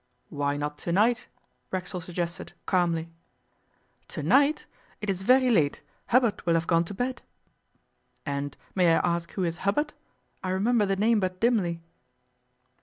'Why not to night?' Racksole suggested, calmly. 'To night! It is very late: Hubbard will have gone to bed.' 'And may I ask who is Hubbard? I remember the name but dimly.